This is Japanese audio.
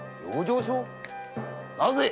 なぜ。